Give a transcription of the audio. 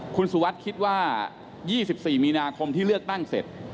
คุณสุวัสดิ์คิดว่า๒๔มีนาคมที่เลือกตั้งเสร็จ